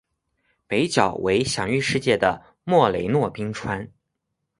北角为享誉世界的莫雷诺冰川。